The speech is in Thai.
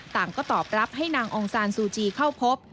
ต่างก็ตอบรับให้นางองซานซูจีเข้าพบ